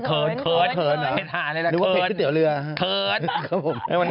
เขินเขิน